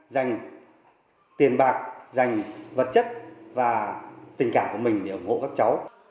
dành tiền bạc dành vật chất và tình cảm của mình để ủng hộ các cháu